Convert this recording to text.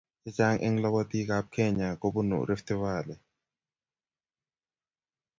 Che chang eng lobotii ab Kenya kobunuu Rift Valley.